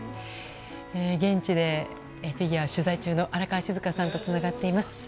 現地でフィギュアを取材中の荒川静香さんとつながっています。